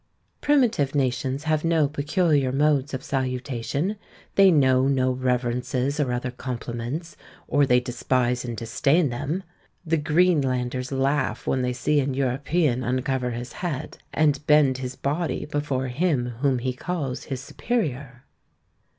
Primitive nations have no peculiar modes of salutation; they know no reverences or other compliments, or they despise and disdain them. The Greenlanders laugh when they see an European uncover his head, and bend his body before him whom he calls his superior.